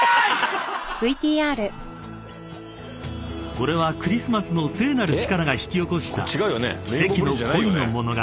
［これはクリスマスの聖なる力が引き起こした奇跡の恋の物語］